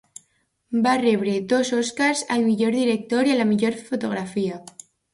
Va rebre dos Oscars al millor director i la millor fotografia.